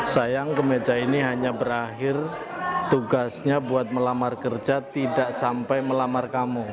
sayang kemeja ini hanya berakhir tugasnya buat melamar kerja tidak sampai melamar kamu